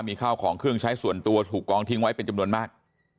มีข้าวของเครื่องใช้ส่วนตัวถูกกองทิ้งไว้เป็นจำนวนมาก